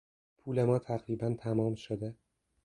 پول ما تقریبا تمام شده.